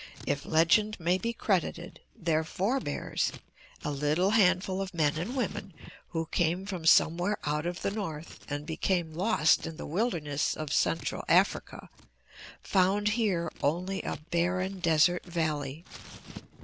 If legend may be credited, their forebears a little handful of men and women who came from somewhere out of the north and became lost in the wilderness of central Africa found here only a barren desert valley.